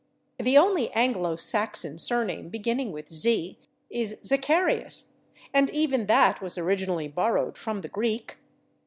The only Anglo Saxon surname beginning with /z/ is /Zacharias/, and even that was originally borrowed from the Greek.